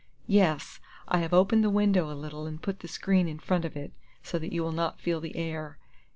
"Yes, I have opened the window a little, and put the screen in front of it, so that you will not feel the air."